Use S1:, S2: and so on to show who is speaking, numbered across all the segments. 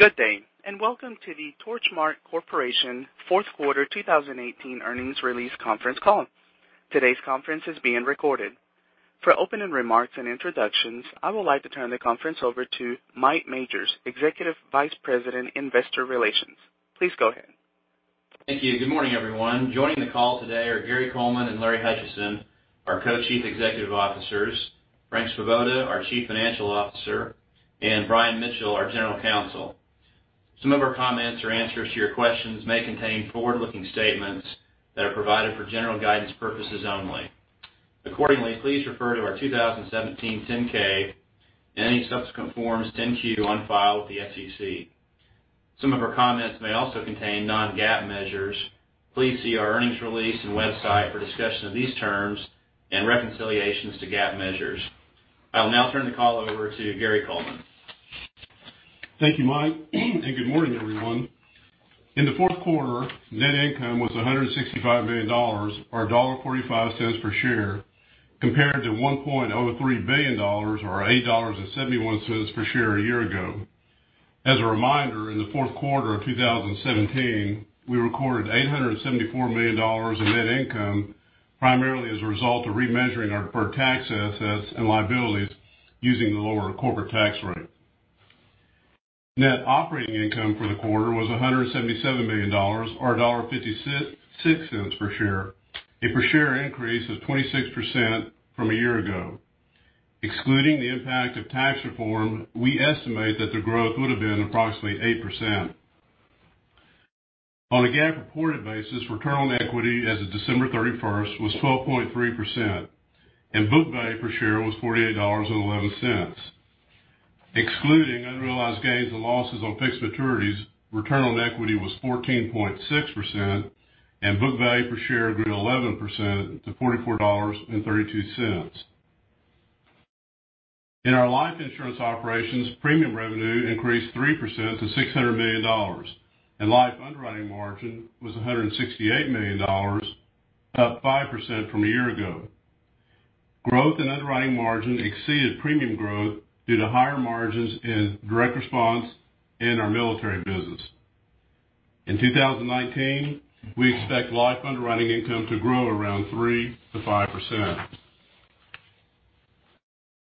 S1: Good day, and welcome to the Torchmark Corporation fourth quarter 2018 earnings release conference call. Today's conference is being recorded. For opening remarks and introductions, I would like to turn the conference over to Mike Majors, Executive Vice President, Investor Relations. Please go ahead.
S2: Thank you. Good morning, everyone. Joining the call today are Gary Coleman and Larry Hutchison, our Co-Chief Executive Officers, Frank Svoboda, our Chief Financial Officer, and Brian Mitchell, our General Counsel. Some of our comments or answers to your questions may contain forward-looking statements that are provided for general guidance purposes only. Accordingly, please refer to our 2017 10-K and any subsequent Forms 10-Q on file with the SEC. Some of our comments may also contain non-GAAP measures. Please see our earnings release and website for discussion of these terms and reconciliations to GAAP measures. I'll now turn the call over to Gary Coleman.
S3: Thank you, Mike, and good morning, everyone. In the fourth quarter, net income was $165 million, or $1.45 per share, compared to $1.03 billion, or $8.71 per share a year ago. As a reminder, in the fourth quarter of 2017, we recorded $874 million in net income, primarily as a result of remeasuring our deferred tax assets and liabilities using the lower corporate tax rate. Net operating income for the quarter was $177 million, or $1.56 per share, a per share increase of 26% from a year ago. Excluding the impact of tax reform, we estimate that the growth would have been approximately 8%. On a GAAP-reported basis, return on equity as of December 31st was 12.3%, and book value per share was $48.11. Excluding unrealized gains and losses on fixed maturities, return on equity was 14.6%, and book value per share grew 11% to $44.32. In our life insurance operations, premium revenue increased 3% to $600 million, and life underwriting margin was $168 million, up 5% from a year ago. Growth in underwriting margin exceeded premium growth due to higher margins in direct response in our military business. In 2019, we expect life underwriting income to grow around 3%-5%.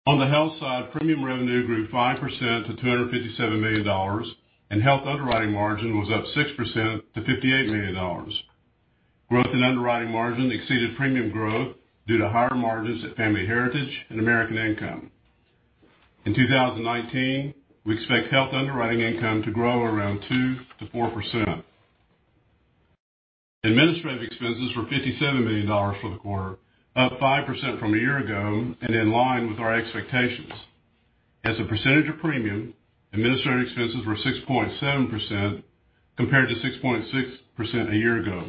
S3: On the health side, premium revenue grew 5% to $257 million, and health underwriting margin was up 6% to $58 million. Growth in underwriting margin exceeded premium growth due to higher margins at Family Heritage and American Income. In 2019, we expect health underwriting income to grow around 2%-4%. Administrative expenses were $57 million for the quarter, up 5% from a year ago and in line with our expectations. As a percentage of premium, administrative expenses were 6.7% compared to 6.6% a year ago.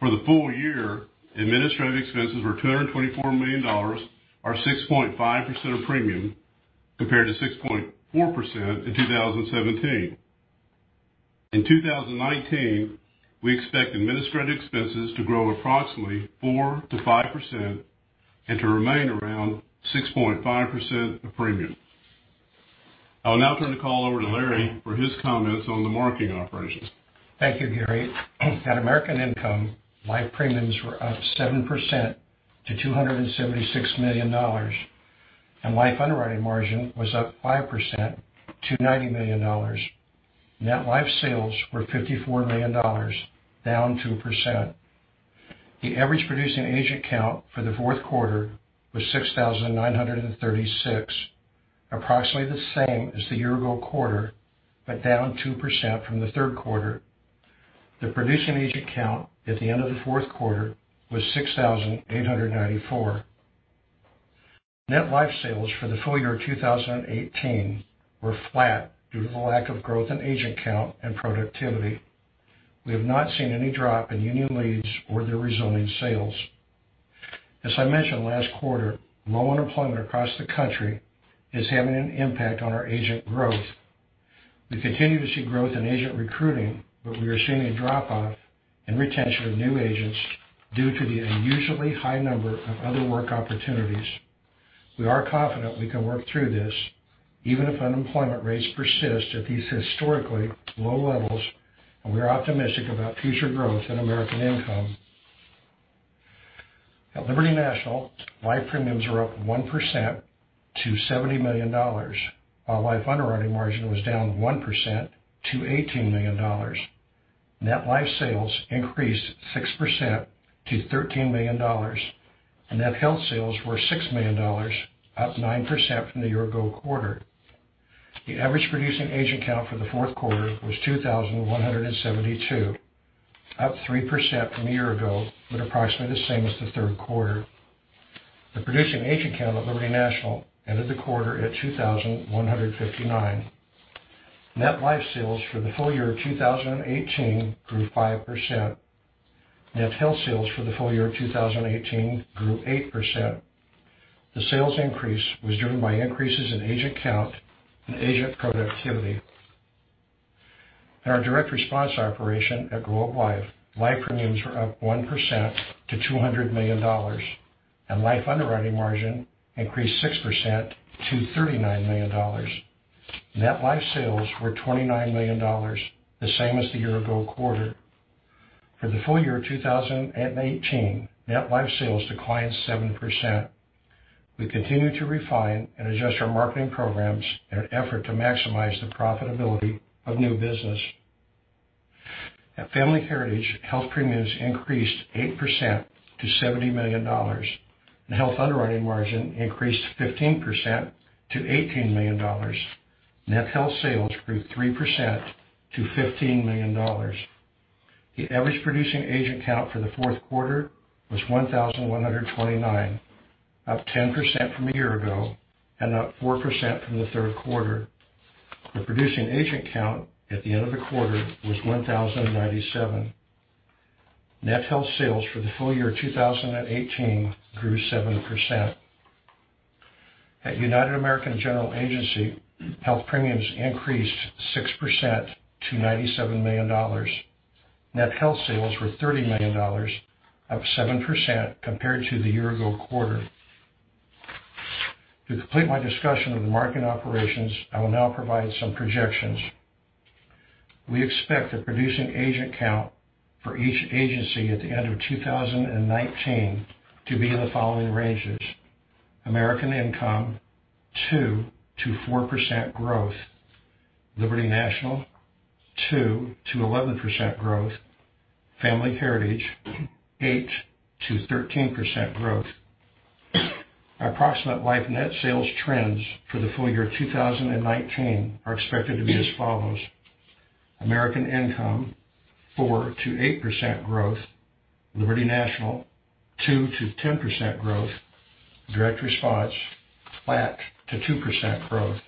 S3: For the full year, administrative expenses were $224 million, or 6.5% of premium, compared to 6.4% in 2017. In 2019, we expect administrative expenses to grow approximately 4% to 5% and to remain around 6.5% of premium. I will now turn the call over to Larry for his comments on the marketing operations.
S4: Thank you, Gary. At American Income, life premiums were up 7% to $276 million, and life underwriting margin was up 5% to $90 million. Net life sales were $54 million, down 2%. The average producing agent count for the fourth quarter was 6,936, approximately the same as the year-ago quarter, but down 2% from the third quarter. The producing agent count at the end of the fourth quarter was 6,894. Net life sales for the full year 2018 were flat due to the lack of growth in agent count and productivity. We have not seen any drop in union leads or their resulting sales. As I mentioned last quarter, low unemployment across the country is having an impact on our agent growth. We continue to see growth in agent recruiting. We are seeing a drop-off in retention of new agents due to the unusually high number of other work opportunities. We are confident we can work through this, even if unemployment rates persist at these historically low levels. We are optimistic about future growth in American Income. At Liberty National, life premiums were up 1% to $70 million. Our life underwriting margin was down 1% to $18 million. Net life sales increased 6% to $13 million. Net health sales were $6 million, up 9% from the year-ago quarter. The average producing agent count for the fourth quarter was 2,172, up 3% from a year ago, but approximately the same as the third quarter. The producing agent count at Liberty National ended the quarter at 2,159. Net life sales for the full year 2018 grew 5%. Net health sales for the full year 2018 grew 8%. The sales increase was driven by increases in agent count and agent productivity. In our Direct Response operation at Globe Life, life premiums were up 1% to $200 million, and life underwriting margin increased 6% to $39 million. Net life sales were $29 million, the same as the year-ago quarter. For the full year 2018, net life sales declined 7%. We continue to refine and adjust our marketing programs in an effort to maximize the profitability of new business. At Family Heritage, health premiums increased 8% to $70 million and health underwriting margin increased 15% to $18 million. Net health sales grew 3% to $15 million. The average producing agent count for the fourth quarter was 1,129, up 10% from a year ago and up 4% from the third quarter. The producing agent count at the end of the quarter was 1,097. Net health sales for the full year 2018 grew 7%. At United American General Agency, health premiums increased 6% to $97 million. Net health sales were $30 million, up 7% compared to the year-ago quarter. To complete my discussion of the marketing operations, I will now provide some projections. We expect the producing agent count for each agency at the end of 2019 to be in the following ranges: American Income, 2%-4% growth; Liberty National, 2%-11% growth; Family Heritage, 8%-13% growth. Our approximate life net sales trends for the full year 2019 are expected to be as follows: American Income, 4%-8% growth; Liberty National, 2%-10% growth; Direct Response, flat to 2% growth.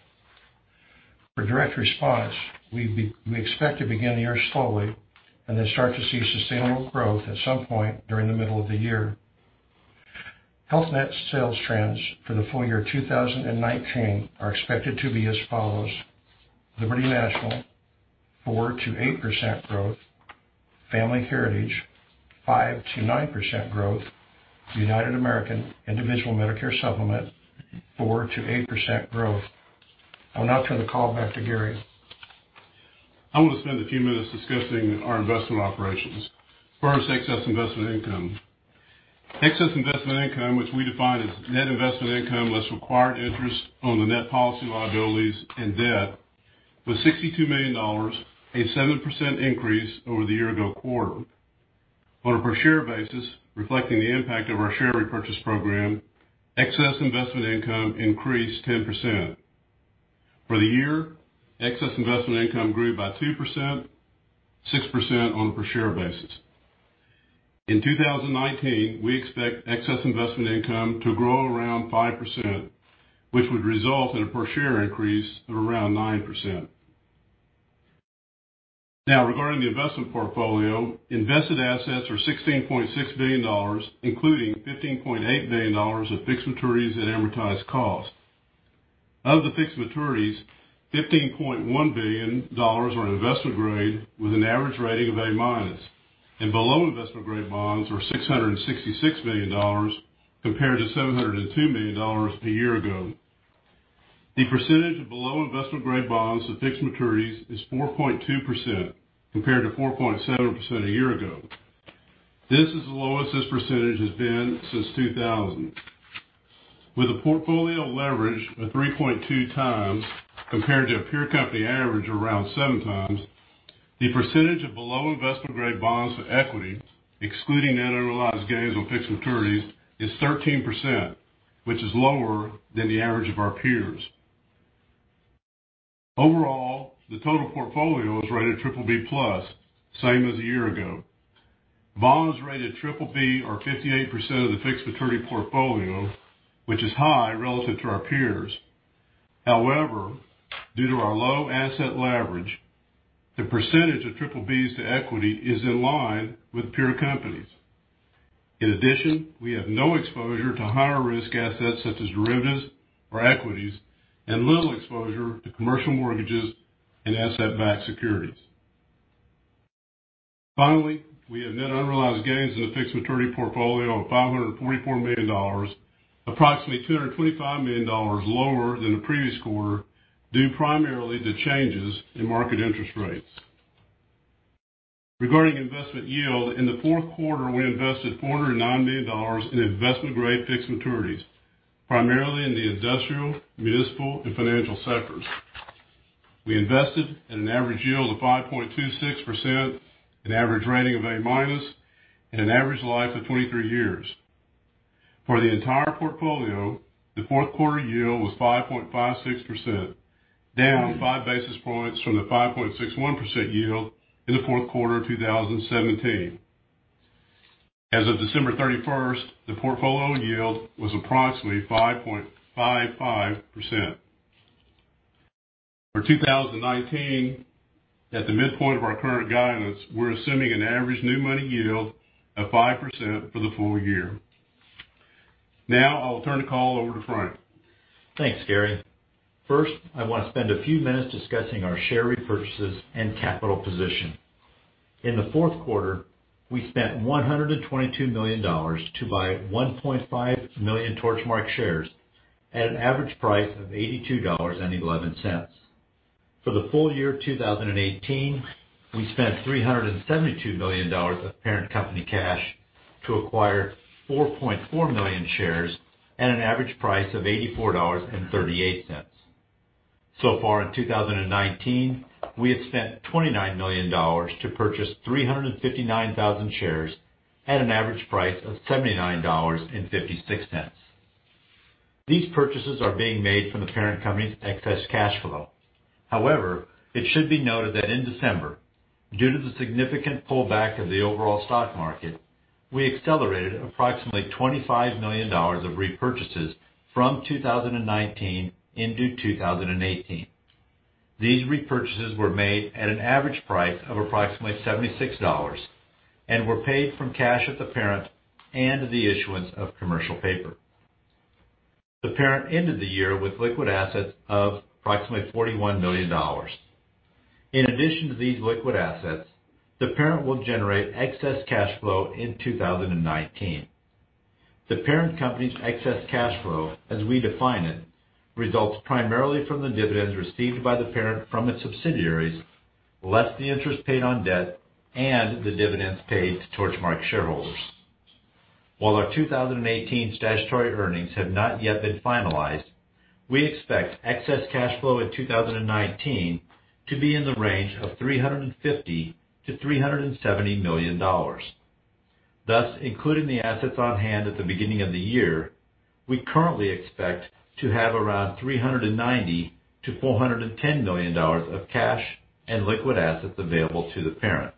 S4: For Direct Response, we expect to begin the year slowly and then start to see sustainable growth at some point during the middle of the year. Health net sales trends for the full year 2019 are expected to be as follows: Liberty National, 4%-8% growth; Family Heritage, 5%-9% growth; United American Individual Medicare Supplement, 4%-8% growth. I will now turn the call back to Gary.
S3: I want to spend a few minutes discussing our investment operations. First, excess investment income. Excess investment income, which we define as net investment income less required interest on the net policy liabilities and debt, was $62 million, a 7% increase over the year-ago quarter. On a per share basis, reflecting the impact of our share repurchase program, excess investment income increased 10%. For the year, excess investment income grew by 2%, 6% on a per share basis. In 2019, we expect excess investment income to grow around 5%, which would result in a per share increase of around 9%. Now, regarding the investment portfolio, invested assets were $16.6 billion, including $15.8 billion of fixed maturities at amortized cost. Of the fixed maturities, $15.1 billion are investment-grade with an average rating of A-, and below investment-grade bonds were $666 million compared to $702 million a year ago. The percentage of below investment-grade bonds to fixed maturities is 4.2% compared to 4.7% a year ago. This is the lowest this percentage has been since 2000. With a portfolio leverage of 3.2 times compared to a peer company average of around seven times, the percentage of below investment-grade bonds to equity, excluding net unrealized gains on fixed maturities, is 13%, which is lower than the average of our peers. Overall, the total portfolio was rated BBB+, same as a year ago. Bonds rated BBB are 58% of the fixed maturity portfolio, which is high relative to our peers. However, due to our low asset leverage, the percentage of BBBs to equity is in line with peer companies. In addition, we have no exposure to higher-risk assets such as derivatives or equities and little exposure to commercial mortgages and asset-backed securities. Finally, we have net unrealized gains in the fixed maturity portfolio of $544 million, approximately $225 million lower than the previous quarter, due primarily to changes in market interest rates. Regarding investment yield, in the fourth quarter, we invested $409 million in investment-grade fixed maturities, primarily in the industrial, municipal, and financial sectors. We invested at an average yield of 5.26%, an average rating of A-, and an average life of 23 years. For the entire portfolio, the fourth quarter yield was 5.56%, down five basis points from the 5.61% yield in the fourth quarter of 2017. As of December 31st, the portfolio yield was approximately 5.55%. For 2019, at the midpoint of our current guidance, we're assuming an average new money yield of 5% for the full year. Now I'll turn the call over to Frank.
S5: Thanks, Gary. First, I want to spend a few minutes discussing our share repurchases and capital position. In the fourth quarter, we spent $122 million to buy 1.5 million Torchmark shares at an average price of $82.11. For the full year 2018, we spent $372 million of parent company cash to acquire 4.4 million shares at an average price of $84.38. So far in 2019, we have spent $29 million to purchase 359,000 shares at an average price of $79.56. These purchases are being made from the parent company's excess cash flow. However, it should be noted that in December, due to the significant pullback of the overall stock market, we accelerated approximately $25 million of repurchases from 2019 into 2018. These repurchases were made at an average price of approximately $76 and were paid from cash at the parent and the issuance of commercial paper. The parent ended the year with liquid assets of approximately $41 million. In addition to these liquid assets, the parent will generate excess cash flow in 2019. The parent company's excess cash flow, as we define it, results primarily from the dividends received by the parent from its subsidiaries, less the interest paid on debt and the dividends paid to Torchmark shareholders. While our 2018 statutory earnings have not yet been finalized, we expect excess cash flow in 2019 to be in the range of $350 million-$370 million. Thus, including the assets on hand at the beginning of the year, we currently expect to have around $390 million-$410 million of cash and liquid assets available to the parent.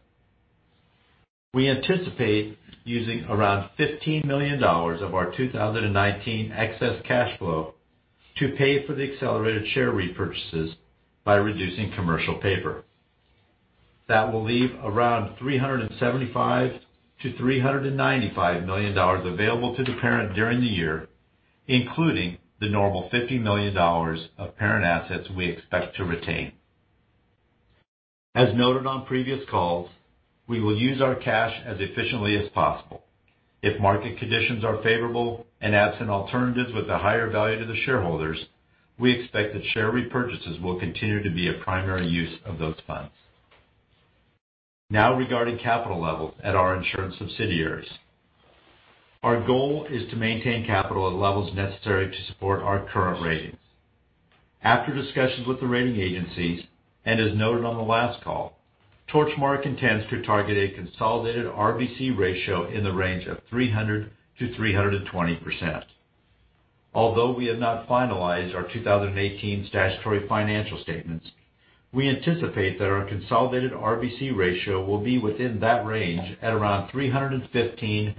S5: We anticipate using around $15 million of our 2019 excess cash flow to pay for the accelerated share repurchases by reducing commercial paper. That will leave around $375 million-$395 million available to the parent during the year, including the normal $50 million of parent assets we expect to retain. As noted on previous calls, we will use our cash as efficiently as possible. If market conditions are favorable and absent alternatives with a higher value to the shareholders, we expect that share repurchases will continue to be a primary use of those funds. Now regarding capital levels at our insurance subsidiaries. Our goal is to maintain capital at levels necessary to support our current ratings. After discussions with the rating agencies, and as noted on the last call, Torchmark intends to target a consolidated RBC ratio in the range of 300%-320%. Although we have not finalized our 2018 statutory financial statements, we anticipate that our consolidated RBC ratio will be within that range at around 315%-320%.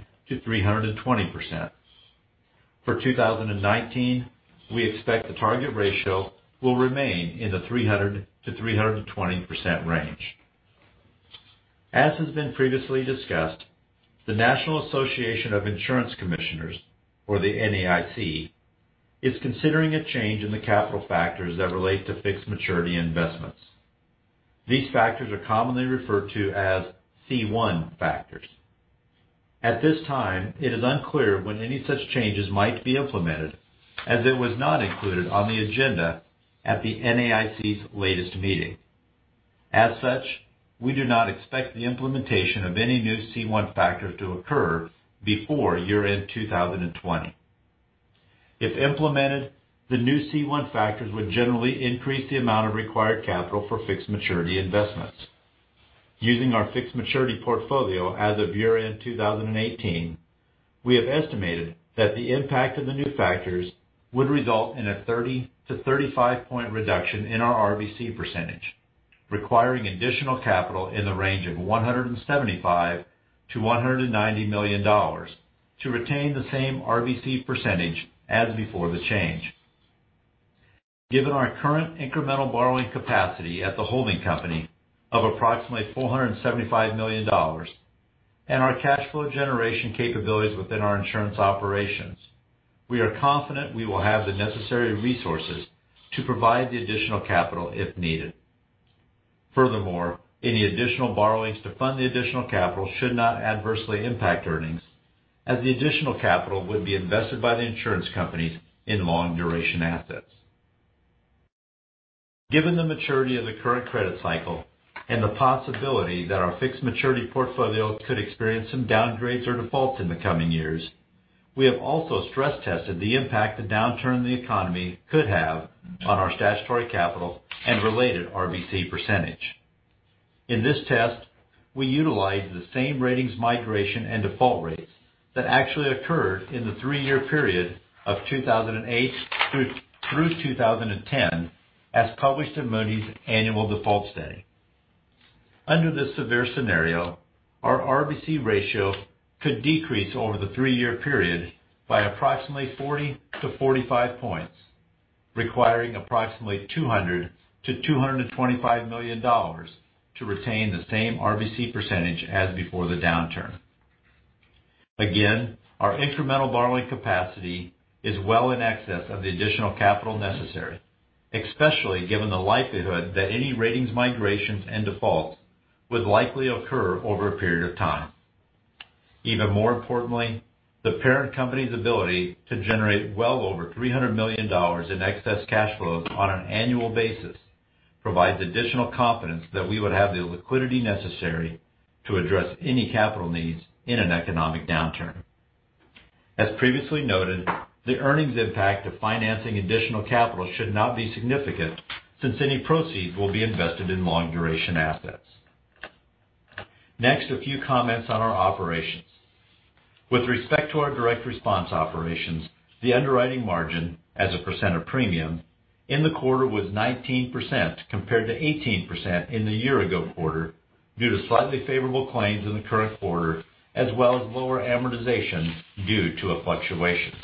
S5: For 2019, we expect the target ratio will remain in the 300%-320% range. As has been previously discussed, the National Association of Insurance Commissioners, or the NAIC, is considering a change in the capital factors that relate to fixed maturity investments. These factors are commonly referred to as C1 factors. At this time, it is unclear when any such changes might be implemented as it was not included on the agenda at the NAIC's latest meeting. As such, we do not expect the implementation of any new C1 factors to occur before year-end 2020. If implemented, the new C1 factors would generally increase the amount of required capital for fixed maturity investments. Using our fixed maturity portfolio as of year-end 2018, we have estimated that the impact of the new factors would result in a 30-35 point reduction in our RBC percentage, requiring additional capital in the range of $175 million-$190 million to retain the same RBC percentage as before the change. Given our current incremental borrowing capacity at the holding company of approximately $475 million and our cash flow generation capabilities within our insurance operations, we are confident we will have the necessary resources to provide the additional capital if needed. Furthermore, any additional borrowings to fund the additional capital should not adversely impact earnings, as the additional capital would be invested by the insurance companies in long duration assets. Given the maturity of the current credit cycle and the possibility that our fixed maturity portfolio could experience some downgrades or defaults in the coming years, we have also stress tested the impact the downturn in the economy could have on our statutory capital and related RBC percentage. In this test, we utilized the same ratings migration and default rates that actually occurred in the three-year period of 2008 through 2010, as published in Moody's Annual Default Study. Under this severe scenario, our RBC ratio could decrease over the three-year period by approximately 40-45 points, requiring approximately $200 million-$225 million to retain the same RBC percentage as before the downturn. Again, our incremental borrowing capacity is well in excess of the additional capital necessary, especially given the likelihood that any ratings migrations and defaults would likely occur over a period of time. Even more importantly, the parent company's ability to generate well over $300 million in excess cash flows on an annual basis provides additional confidence that we would have the liquidity necessary to address any capital needs in an economic downturn. As previously noted, the earnings impact of financing additional capital should not be significant, since any proceeds will be invested in long-duration assets. Next, a few comments on our operations. With respect to our direct response operations, the underwriting margin as a percent of premium in the quarter was 19% compared to 18% in the year-ago quarter due to slightly favorable claims in the current quarter, as well as lower amortization due to a fluctuation.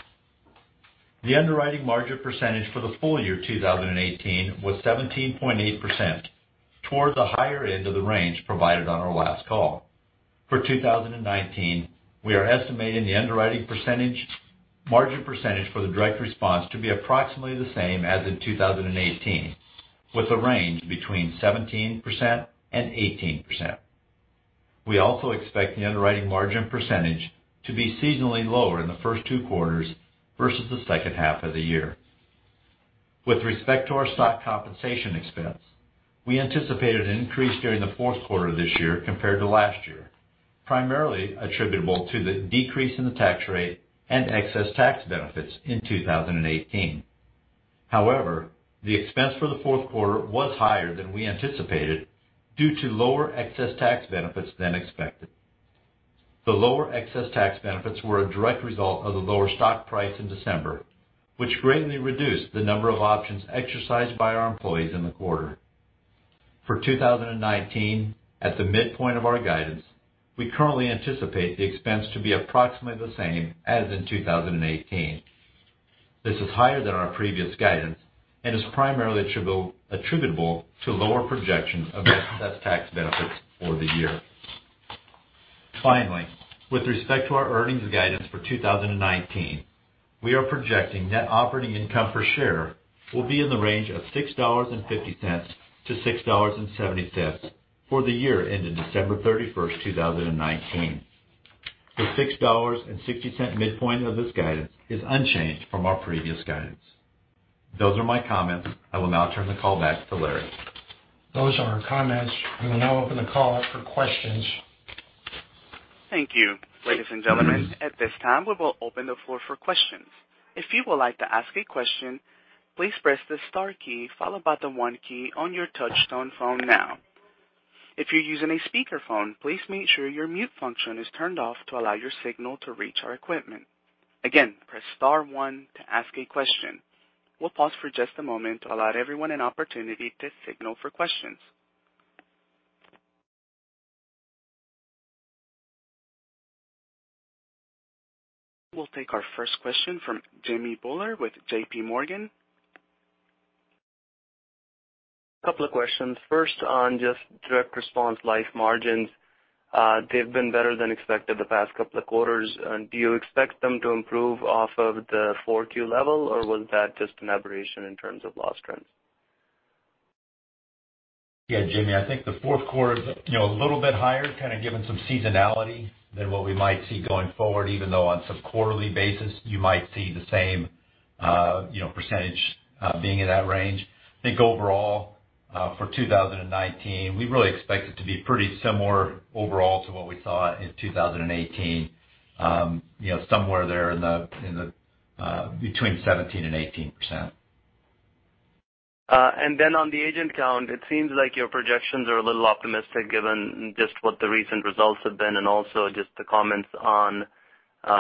S5: The underwriting margin percentage for the full year 2018 was 17.8%, toward the higher end of the range provided on our last call. For 2019, we are estimating the underwriting margin percentage for the direct response to be approximately the same as in 2018, with a range between 17% and 18%. We also expect the underwriting margin percentage to be seasonally lower in the first two quarters versus the second half of the year. With respect to our stock compensation expense, we anticipated an increase during the fourth quarter of this year compared to last year, primarily attributable to the decrease in the tax rate and excess tax benefits in 2018. The expense for the fourth quarter was higher than we anticipated due to lower excess tax benefits than expected. The lower excess tax benefits were a direct result of the lower stock price in December, which greatly reduced the number of options exercised by our employees in the quarter. For 2019, at the midpoint of our guidance, we currently anticipate the expense to be approximately the same as in 2018. This is higher than our previous guidance and is primarily attributable to lower projections of excess tax benefits for the year. With respect to our earnings guidance for 2019, we are projecting net operating income per share will be in the range of $6.50-$6.70 for the year ending December 31, 2019. The $6.60 midpoint of this guidance is unchanged from our previous guidance. Those are my comments. I will now turn the call back to Larry.
S4: Those are our comments. We will now open the call up for questions.
S1: Thank you. Ladies and gentlemen, at this time, we will open the floor for questions. If you would like to ask a question, please press the star key followed by the one key on your touchtone phone now. If you're using a speakerphone, please make sure your mute function is turned off to allow your signal to reach our equipment. Again, press star one to ask a question. We'll pause for just a moment to allow everyone an opportunity to signal for questions. We'll take our first question from Jimmy Bhullar with J.P. Morgan.
S6: Couple of questions. First, on just Direct Response life margins. They've been better than expected the past couple of quarters. Do you expect them to improve off of the 4Q level, or was that just an aberration in terms of loss trends?
S5: Yeah, Jimmy, I think the fourth quarter is a little bit higher, kind of given some seasonality than what we might see going forward, even though on some quarterly basis, you might see the same percentage being in that range. I think overall, for 2019, we really expect it to be pretty similar overall to what we saw in 2018. Somewhere there between 17% and 18%.
S6: Then on the agent count, it seems like your projections are a little optimistic given just what the recent results have been and also just the comments on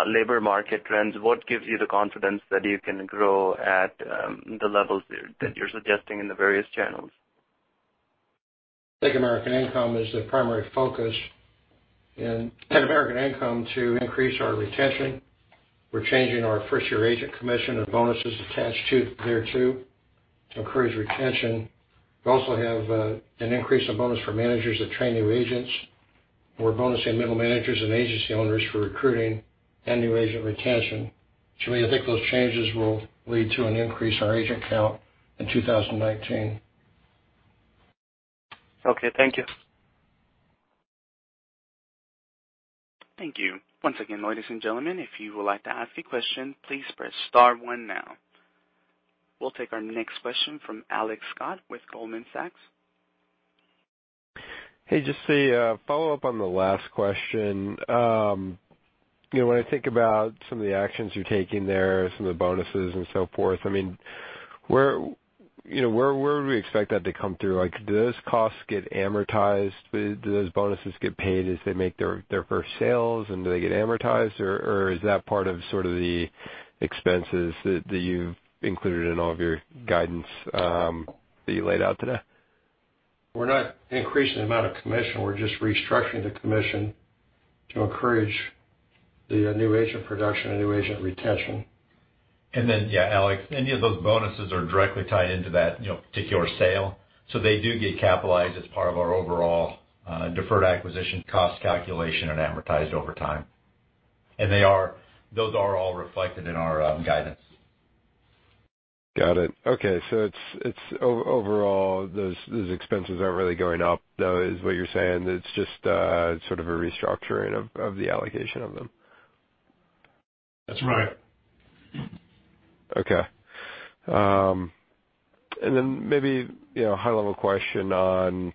S6: labor market trends. What gives you the confidence that you can grow at the levels that you're suggesting in the various channels?
S4: I think American Income is the primary focus and American Income to increase our retention. We're changing our first-year agent commission and bonuses attached thereto to encourage retention. We also have an increase in bonus for managers that train new agents. We're bonusing middle managers and agency owners for recruiting and new agent retention. Jimmy, I think those changes will lead to an increase in our agent count in 2019.
S6: Okay. Thank you.
S1: Thank you. Once again, ladies and gentlemen, if you would like to ask a question, please press star one now. We will take our next question from Alex Scott with Goldman Sachs.
S7: Hey, just a follow-up on the last question. When I think about some of the actions you are taking there, some of the bonuses and so forth, where would we expect that to come through? Do those costs get amortized? Do those bonuses get paid as they make their first sales, and do they get amortized, or is that part of sort of the expenses that you have included in all of your guidance that you laid out today?
S3: We are not increasing the amount of commission, we are just restructuring the commission to encourage the new agent production and new agent retention.
S5: Alex, any of those bonuses are directly tied into that particular sale. They do get capitalized as part of our overall deferred acquisition cost calculation and amortized over time. Those are all reflected in our guidance.
S7: Got it. Okay. Overall, those expenses aren't really going up, though, is what you're saying. It's just sort of a restructuring of the allocation of them.
S3: That's right.
S7: Okay. Maybe, high-level question on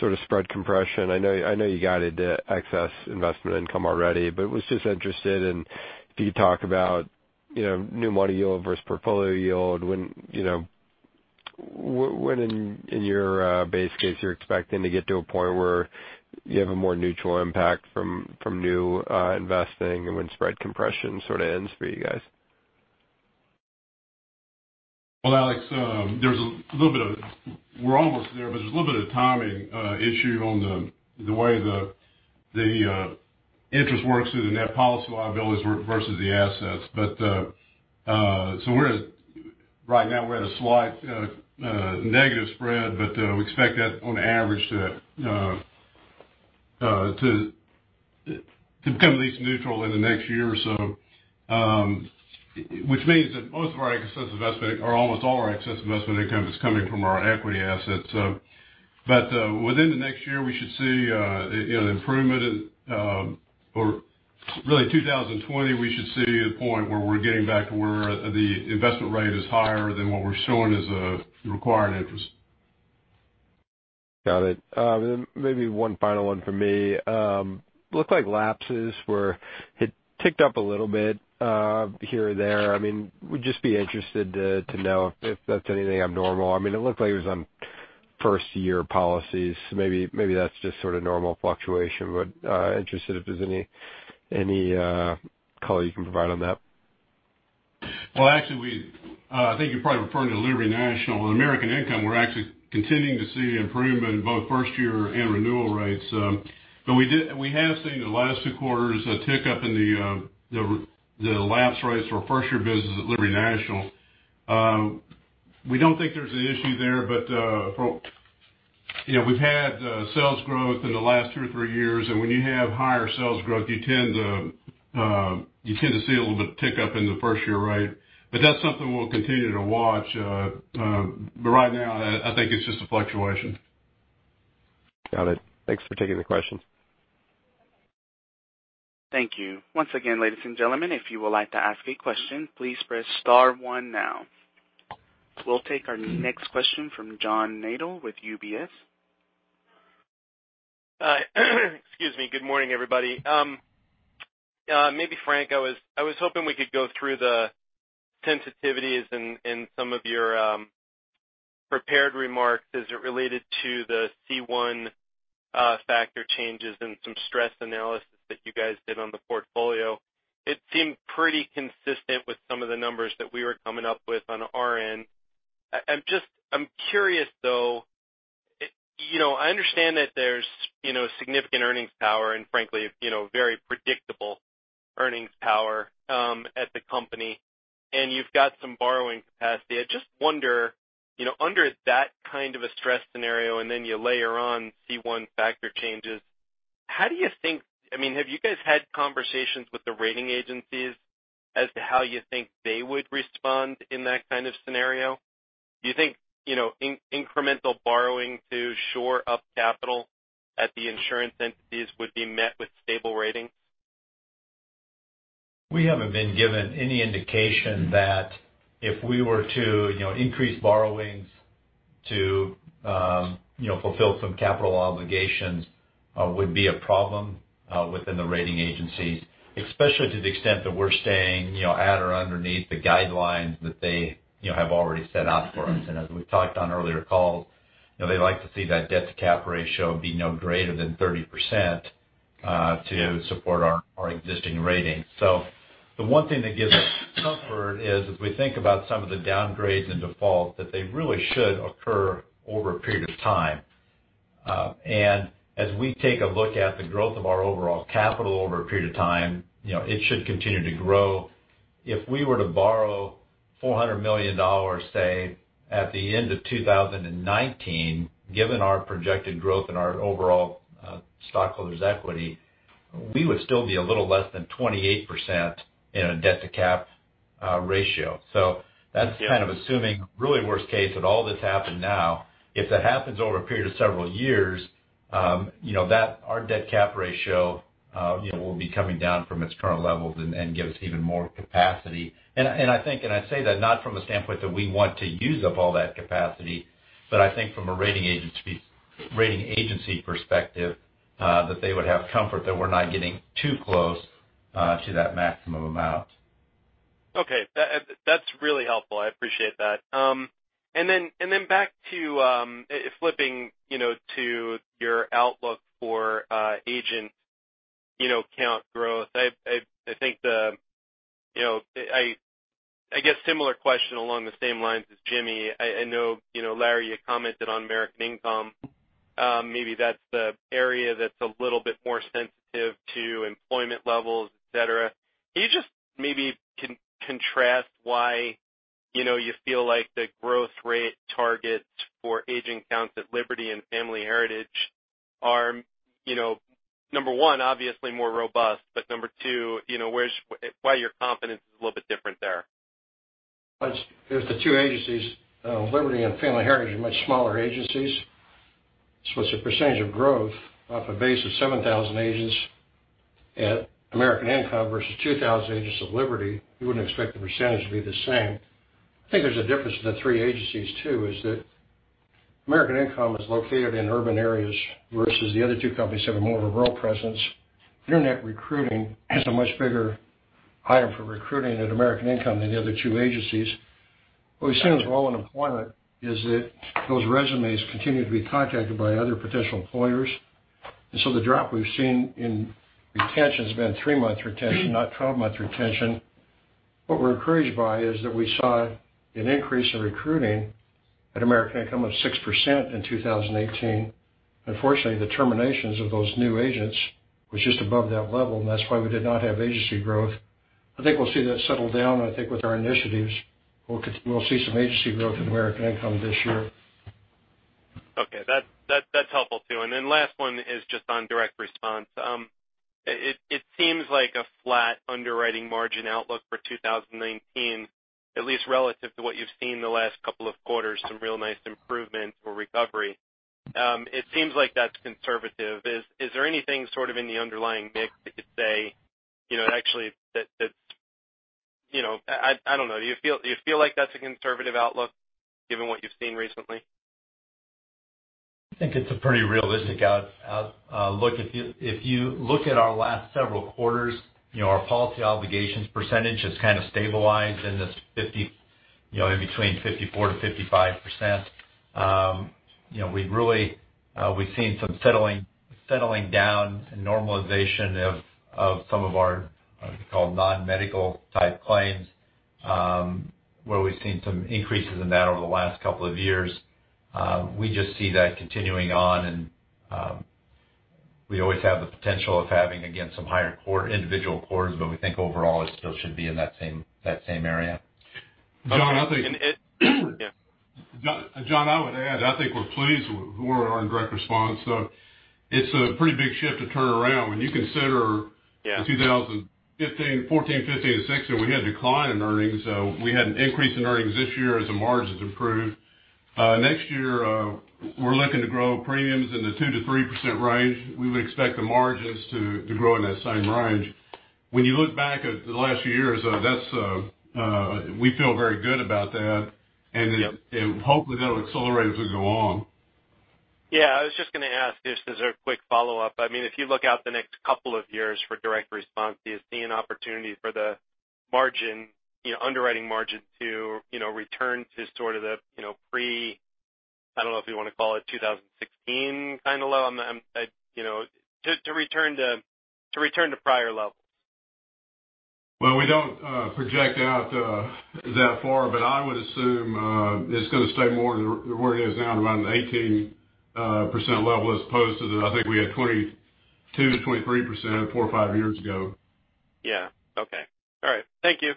S7: sort of spread compression. I know you guided excess investment income already, but was just interested in if you could talk about new money yield versus portfolio yield. When in your base case, you're expecting to get to a point where you have a more neutral impact from new investing and when spread compression sort of ends for you guys.
S3: Well, Alex, we're almost there, but there's a little bit of timing issue on the way the interest works through the net policy liabilities versus the assets. Right now, we're at a slight negative spread, but we expect that on average to become at least neutral in the next year or so. That means that most of our excess investment, or almost all our excess investment income is coming from our equity assets. Within the next year, we should see an improvement in, or really 2020, we should see a point where we're getting back to where the investment rate is higher than what we're showing as the required interest.
S7: Got it. Then maybe one final one from me. Looked like lapses had ticked up a little bit here or there. I would just be interested to know if that's anything abnormal. It looked like it was on first-year policies. Maybe that's just sort of normal fluctuation, but interested if there's any color you can provide on that.
S3: Well, actually, I think you're probably referring to Liberty National. With American Income, we're actually continuing to see improvement in both first year and renewal rates. We have seen the last two quarters a tick up in the lapse rates for first year business at Liberty National. We don't think there's an issue there, but we've had sales growth in the last two or three years, and when you have higher sales growth, you tend to see a little bit tick up in the first year rate. That's something we'll continue to watch. Right now, I think it's just a fluctuation.
S7: Got it. Thanks for taking the question.
S1: Thank you. Once again, ladies and gentlemen, if you would like to ask a question, please press star one now. We will take our next question from John Nadel with UBS.
S8: Excuse me. Good morning, everybody. Maybe Frank, I was hoping we could go through the sensitivities in some of your prepared remarks as it related to the C1 factors changes and some stress analysis that you guys did on the portfolio. I am curious though, I understand that there is significant earnings power and frankly, very predictable earnings power, at the company, and you have got some borrowing capacity. I just wonder, under that kind of a stress scenario, and then you layer on C1 factors changes, have you guys had conversations with the rating agencies as to how you think they would respond in that kind of scenario? Do you think incremental borrowing to shore up capital at the insurance entities would be met with stable ratings?
S5: We have not been given any indication that if we were to increase borrowings to fulfill some capital obligations, would be a problem within the rating agencies, especially to the extent that we are staying at or underneath the guidelines that they have already set out for us. As we have talked on earlier calls, they like to see that debt-to-capital ratio be no greater than 30% to support our existing ratings. The one thing that gives us comfort is if we think about some of the downgrades in default, that they really should occur over a period of time. As we take a look at the growth of our overall capital over a period of time, it should continue to grow. If we were to borrow $400 million, say, at the end of 2019, given our projected growth in our overall stockholders' equity, we would still be a little less than 28% in a debt-to-capital ratio. That is kind of assuming really worst case that all that has happened now. If that happens over a period of several years, our debt-to-capital ratio will be coming down from its current levels and give us even more capacity. I say that not from a standpoint that we want to use up all that capacity, but I think from a rating agency perspective, that they would have comfort that we are not getting too close to that maximum amount.
S8: Okay. That's really helpful. I appreciate that. Back to flipping to your outlook for agent-count growth. I guess similar question along the same lines as Jimmy. I know, Larry, you commented on American Income. Maybe that's the area that's a little bit more sensitive to employment levels, et cetera. Can you just maybe contrast why you feel like the growth rate targets for agent counts at Liberty and Family Heritage are, number one, obviously more robust, but number two, why your confidence is a little bit different there?
S4: The two agencies, Liberty and Family Heritage are much smaller agencies. It's a percentage of growth off a base of 7,000 agents at American Income versus 2,000 agents of Liberty. You wouldn't expect the percentage to be the same. I think there's a difference in the three agencies, too, is that American Income is located in urban areas versus the other two companies that have more of a rural presence. Internet recruiting is a much bigger item for recruiting at American Income than the other two agencies. What we've seen as a role in employment is that those resumes continue to be contacted by other potential employers. The drop we've seen in retention has been three-month retention, not 12-month retention. What we're encouraged by is that we saw an increase in recruiting at American Income of 6% in 2018.
S3: Unfortunately, the terminations of those new agents was just above that level. That's why we did not have agency growth. I think we'll see that settle down. I think with our initiatives, we'll see some agency growth in American Income this year.
S8: Okay. That's helpful, too. Last one is just on Direct Response. It seems like a flat underwriting margin outlook for 2019, at least relative to what you've seen the last couple of quarters, some real nice improvement or recovery. It seems like that's conservative. Is there anything sort of in the underlying mix that could say, actually, I don't know. Do you feel like that's a conservative outlook given what you've seen recently?
S5: I think it's a pretty realistic outlook. If you look at our last several quarters, our policy obligations percentage has kind of stabilized in between 54%-55%. We've seen some settling down and normalization of some of our, call it non-medical type claims, where we've seen some increases in that over the last couple of years. We just see that continuing on, and we always have the potential of having, again, some higher individual quarters, but we think overall it still should be in that same area.
S3: John, I would add, I think we're pleased with where we are in Direct Response. It's a pretty big shift to turn around when you consider-
S8: Yeah
S3: In 2014, 2015, and 2016, we had a decline in earnings. We had an increase in earnings this year as the margins improved. Next year, we're looking to grow premiums in the 2%-3% range. We would expect the margins to grow in that same range. When you look back at the last years, we feel very good about that, and hopefully that'll accelerate as we go on.
S8: Yeah, I was just going to ask, just as a quick follow-up. If you look out the next couple of years for Direct Response, do you see an opportunity for the underwriting margin to return to sort of the pre, I don't know if you want to call it 2016 kind of low, to return to prior levels?
S3: Well, we don't project out that far, but I would assume it's going to stay more where it is now at around the 18% level as opposed to, I think we had 22%-23% four or five years ago.
S8: Yeah. Okay. All right. Thank you.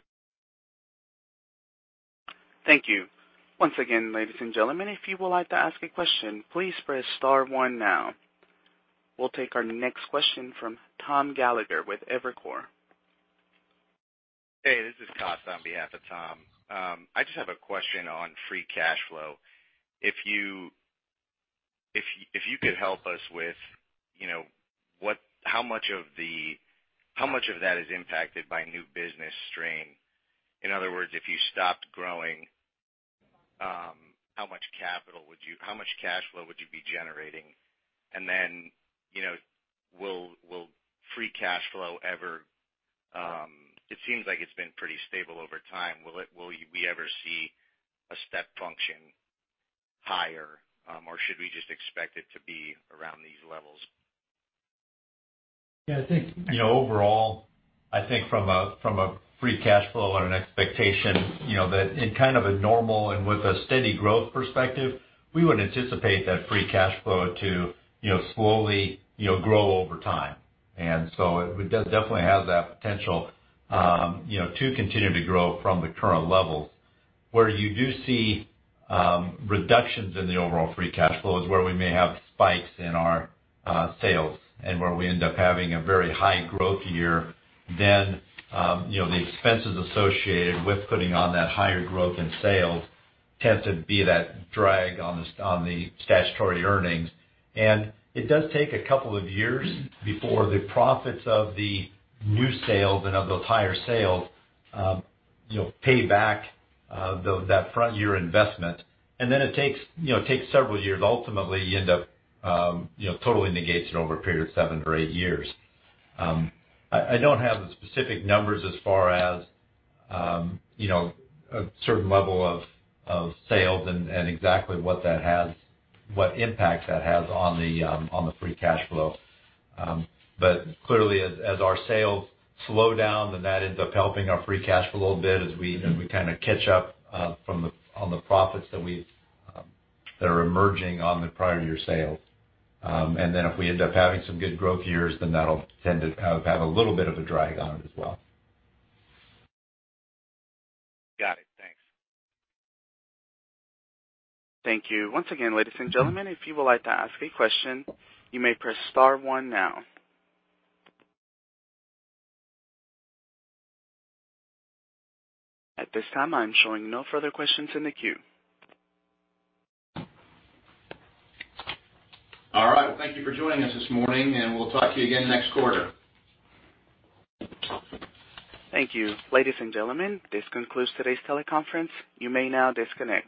S1: Thank you. Once again, ladies and gentlemen, if you would like to ask a question, please press star one now. We'll take our next question from Thomas Gallagher with Evercore.
S9: Hey, this is Costa on behalf of Tom. I just have a question on free cash flow. If you could help us with how much of that is impacted by new business strain. In other words, if you stopped growing, how much cash flow would you be generating? Will free cash flow ever-- it seems like it's been pretty stable over time. Will we ever see a step function higher? Should we just expect it to be around these levels?
S5: Yeah, I think, overall, I think from a free cash flow and an expectation, that in kind of a normal and with a steady growth perspective, we would anticipate that free cash flow to slowly grow over time. It definitely has that potential to continue to grow from the current levels. Where you do see reductions in the overall free cash flow is where we may have spikes in our sales and where we end up having a very high growth year, then the expenses associated with putting on that higher growth in sales tend to be that drag on the statutory earnings. It does take a couple of years before the profits of the new sales and of those higher sales pay back that front year investment. It takes several years. Ultimately, you end up totally negates it over a period of seven or eight years. I don't have the specific numbers as far as a certain level of sales and exactly what impact that has on the free cash flow. Clearly, as our sales slow down, that ends up helping our free cash flow a little bit as we kind of catch up on the profits that are emerging on the prior year sales. If we end up having some good growth years, that'll tend to have a little bit of a drag on it as well.
S9: Got it. Thanks.
S1: Thank you. Once again, ladies and gentlemen, if you would like to ask a question, you may press star one now. At this time, I'm showing no further questions in the queue.
S5: Well, thank you for joining us this morning. We'll talk to you again next quarter.
S1: Thank you. Ladies and gentlemen, this concludes today's teleconference. You may now disconnect.